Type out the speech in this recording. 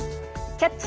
「キャッチ！